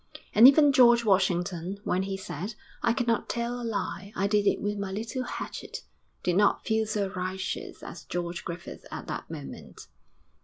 And even George Washington when he said, 'I cannot tell a lie; I did it with my little hatchet,' did not feel so righteous as George Griffith at that moment.